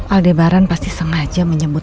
aldebaran pasti sengaja menyebut